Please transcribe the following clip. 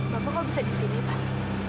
bapak kalau bisa di sini pak